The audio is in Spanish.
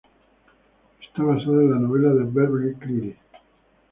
Está basada en la novela de Beverly Cleary.